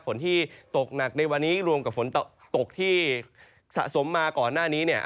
ฝนที่ตกหนักในวันนี้รวมกับฝนตกที่สะสมมาก่อนหน้านี้เนี่ย